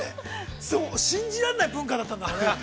◆信じられない文化だったんだね。